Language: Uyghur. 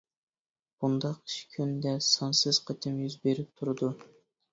بۇنداق ئىش كۈندە سانسىز قېتىم يۈز بېرىپ تۇرىدۇ.